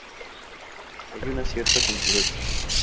Hay una cierta controversia.